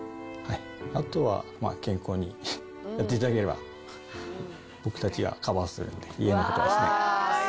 あとは、まあ、健康にやっていただければ、僕たちがカバーするんで、家のことはですね。